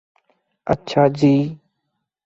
اچھا جی